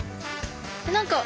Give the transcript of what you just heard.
何か。